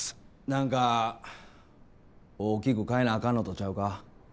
何か大きく変えなあかんのとちゃうか？